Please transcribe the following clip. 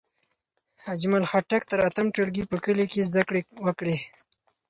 اجمل خټک تر اتم ټولګی په کلي کې زدکړې وکړې.